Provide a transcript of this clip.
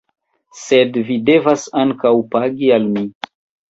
Sed vi devas ankaŭ pagi al mi!